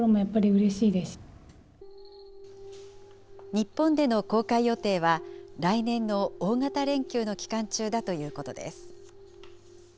日本での公開予定は、来年の大型連休の期間中だということです。